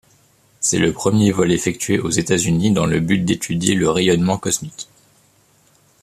C'est le premier vol effectué aux États-Unis dans le but d'étudier le rayonnement cosmique.